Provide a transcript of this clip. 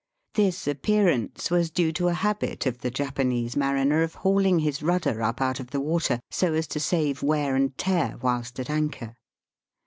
This appearance was due to a habit of the Japanese mariner of hauling his rudder up out of the water so as to save wear and tear whilst at anchor.